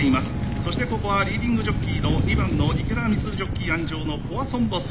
そしてここはリーディングジョッキーの２番の池田満ジョッキー鞍上のポアソンボス。